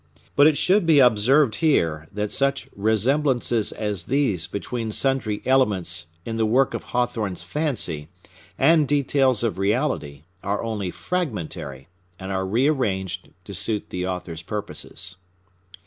But it should be observed here that such resemblances as these between sundry elements in the work of Hawthorne's fancy and details of reality are only fragmentary, and are rearranged to suit the author's purposes.